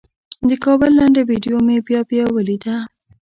د کابل لنډه ویډیو مې بیا بیا ولیده.